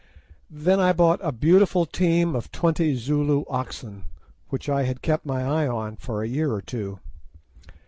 Then I bought a beautiful team of twenty Zulu oxen, which I had kept my eye on for a year or two.